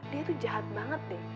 dia tuh jahat banget nih